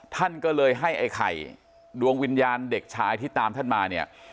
ท่านก็เลยให้ไอ้ไข่ดวงวิญญาณเด็กชายที่ตามท่านมาเนี่ย